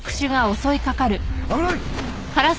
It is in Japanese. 危ない！